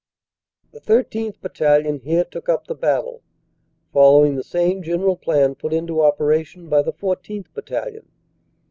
"The 13th. Battalion here took up the battle, following the same general plan put into operation by the 14th. Battalion.